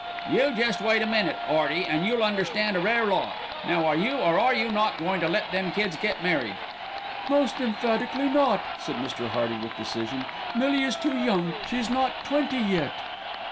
"You jest wait a minute, 'Earty, an' you'll understand a rare lot. Now are you, or are you not, goin' to let them kids get married?" "Most emphatically not," said Mr. Hearty with decision. "Millie is too young; she's not twenty yet."